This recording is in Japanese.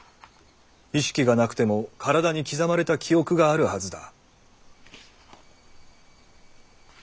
意識がなくても体に刻まれた記憶があるはずだ。